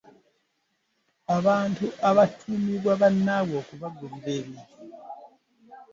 Abantu abatumibwa bannnabwe okubagulira ebintu .